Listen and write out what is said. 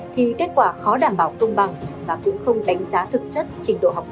thì kết quả khó đảm bảo công bằng và cũng không đánh giá thực